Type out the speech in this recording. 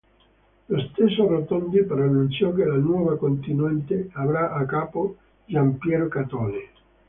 Lo stesso Rotondi però annunciò che la nuova costituente avrà a capo Giampiero Catone.